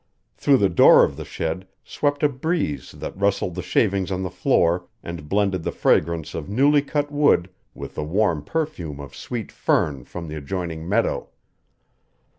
Through the door of the shed swept a breeze that rustled the shavings on the floor and blended the fragrance of newly cut wood with the warm perfume of sweet fern from the adjoining meadow.